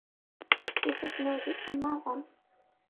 Ifassen-iw d isemmaḍen.